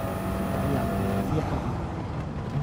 我猶豫了一下